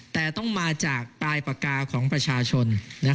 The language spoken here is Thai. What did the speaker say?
แต่ต้องมาจากปลายปากกาของประชาชน